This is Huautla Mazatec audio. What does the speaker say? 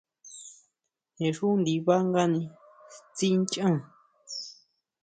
Je xú ndibangani tsí nchá.